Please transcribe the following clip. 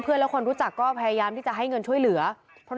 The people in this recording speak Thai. และคนรู้จักก็พยายามที่จะให้เงินช่วยเหลือเพราะ